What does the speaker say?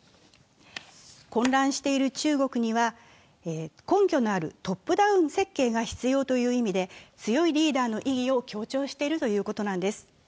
混乱している中国には根拠のあるトップダウン設計が必要という意味で強いリーダーの意義を強調しているということなんです。